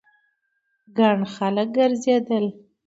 ګڼ خلک ګرځېدل.